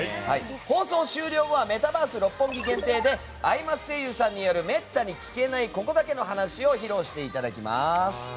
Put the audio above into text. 放送終了後はメタバース六本木限定で「アイマス」声優さんによるメッタに聞けないココだけの話を披露していただきます。